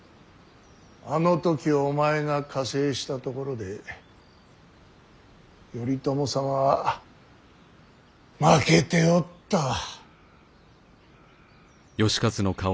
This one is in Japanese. あの時お前が加勢したところで頼朝様は負けておったわ。